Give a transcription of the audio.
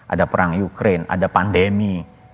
ada perang ukraine ada pandemi